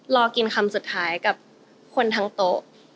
รอกินคำสุดท้ายกับคนทั้งโต๊ะ